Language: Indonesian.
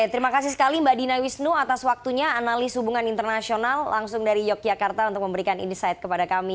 terima kasih sekali mbak dina wisnu atas waktunya analis hubungan internasional langsung dari yogyakarta untuk memberikan insight kepada kami